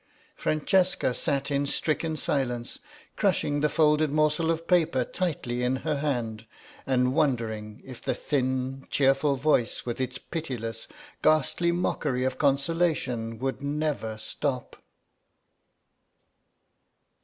.." Francesca sat in stricken silence, crushing the folded morsel of paper tightly in her hand and wondering if the thin, cheerful voice with its pitiless, ghastly mockery of consolation would never stop.